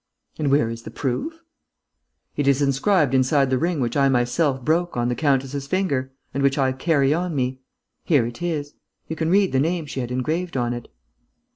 "And where is the proof?" "It is inscribed inside the ring which I myself broke on the countess's finger ... and which I carry on me. Here it is. You can read the name she had engraved on it."